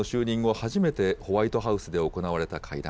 初めて、ホワイトハウスで行われた会談。